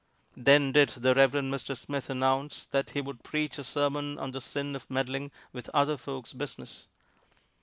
Then did the Reverend Mr. Smith announce that he would preach a sermon on the sin of meddling with other folk's business.